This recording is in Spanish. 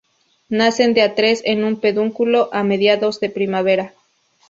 Nacen de a tres en un pedúnculo a mediados de primavera.